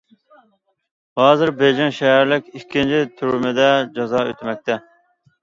ھازىر بېيجىڭ شەھەرلىك ئىككىنچى تۈرمىدە جازا ئۆتىمەكتە.